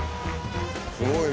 すごいね！